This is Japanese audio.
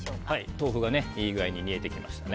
豆腐がいい具合に煮えてきましたね。